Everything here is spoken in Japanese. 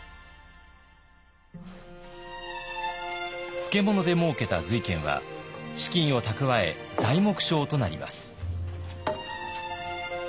漬物でもうけた瑞賢は資金を蓄え材木商となります。